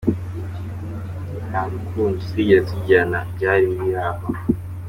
Nta rukundo twigeze tugirana byari biri aho.